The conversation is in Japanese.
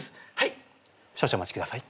少々お待ちください。